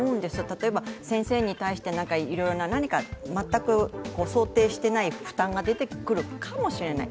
例えば先生に対していろいろ、何か全く想定してないような負担が出てくるかもしれない。